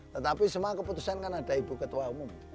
tetapi semua keputusan kan ada ibu ketua umum